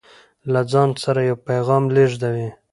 له ځان سره يو پيغام لېږدوي